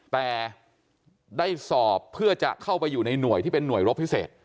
แต่ได้สอบเพื่อจะเข้าไปอยู่ในหน่วยที่เป็นหน่วยรบพิเศษ